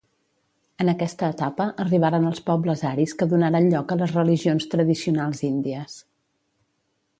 En aquesta etapa arribaren els pobles aris que donaren lloc a les religions tradicionals índies.